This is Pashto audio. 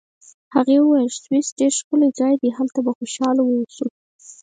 هغې وویل: سویس ډېر ښکلی ځای دی، هلته به خوشحاله واوسو.